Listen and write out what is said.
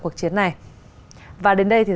cuộc chiến này và đến đây thì